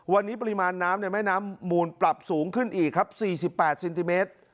วันนี้ปริมาณน้ำในแม่น้ำมูลปรับสูงขึ้นอีกครับ๔๘เซนติเมตร